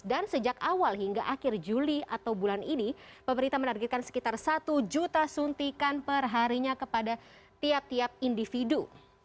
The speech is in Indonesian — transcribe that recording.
sejak awal hingga akhir juli atau bulan ini pemerintah menargetkan sekitar satu juta suntikan perharinya kepada tiap tiap individu